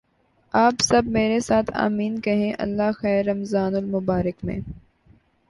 آپ سب میرے ساتھ "آمین" کہیں اللہ خیر! رمضان المبارک میں